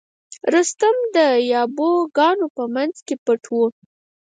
رستم د یابو ګانو په منځ کې پټ و.